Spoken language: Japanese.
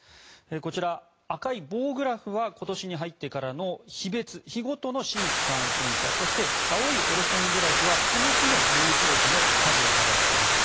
こちら、赤い棒グラフは今年に入ってからの日別、日ごとの新規感染者そして、青い折れ線グラフはその日の重症者の数を表しています。